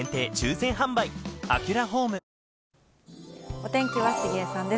お天気は杉江さんです。